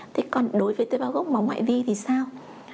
thế còn đối với tế bảo gốc máu ngoại vi thì sao